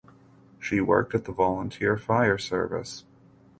She worked at the volunteer fire service.